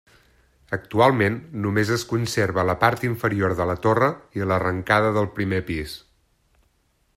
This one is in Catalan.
Actualment només es conserva la part inferior de la torre i l'arrencada del primer pis.